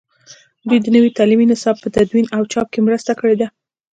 دوی د نوي تعلیمي نصاب په تدوین او چاپ کې مرسته کړې ده.